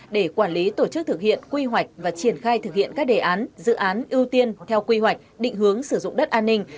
để quản lý tổ chức thực hiện quy hoạch và triển khai thực hiện các đề án dự án ưu tiên theo quy hoạch định hướng sử dụng đất an ninh